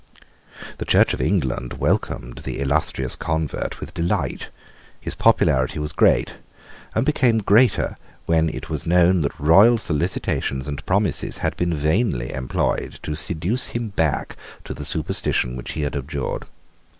The Church of England welcomed the illustrious convert with delight. His popularity was great, and became greater when it was known that royal solicitations and promises had been vainly employed to seduce him back to the superstition which he had abjured.